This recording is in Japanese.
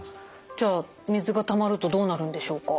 じゃあ水がたまるとどうなるんでしょうか？